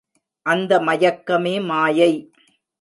அந்த மயக்கமே மாயை.